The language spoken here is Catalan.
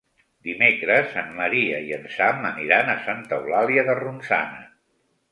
Dimecres en Maria i en Sam aniran a Santa Eulàlia de Ronçana.